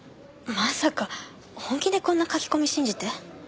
まさか本気でこんな書き込み信じて？